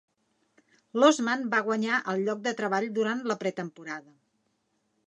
Losman va guanyar el lloc de treball durant la pretemporada.